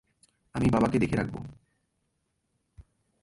আমি বাবাকে দেখে রাখবো।